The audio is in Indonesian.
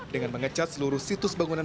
dengan mengecat seluruh situs bangunan